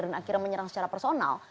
dan akhirnya menyerang secara personal